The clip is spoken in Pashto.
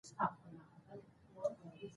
مسأله ما سمه نه وه درک کړې،